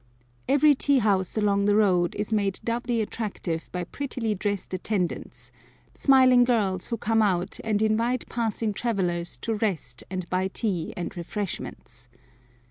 Every tea house along the road is made doubly attractive by prettily dressed attendants smiling girls who come out and invite passing travellers to rest and buy tea and refreshments.